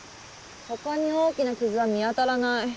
他に大きな傷は見当たらない。